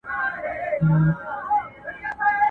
o تروږمۍ چي ډېره سي، سهار نژدې کېږي.